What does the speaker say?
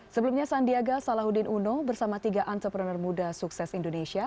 sebelumnya sandiaga salahuddin uno bersama tiga entrepreneur muda sukses indonesia